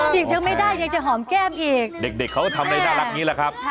จีบจะไม่ได้ยังจะหอมแก้มอีกเด็กเขาทำในหน้าหลักนี้แหละครับ